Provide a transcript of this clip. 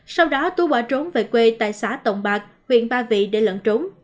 sau đó tú bỏ trốn về quê tại xã tổng bạc huyện ba vị để lận trốn